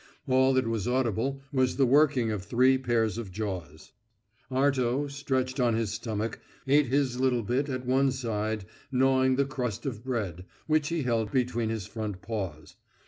All that was audible was the working of three pairs of jaws. Arto, stretched on his stomach, ate his little bit at one side, gnawing the crust of bread, which he held between his front paws.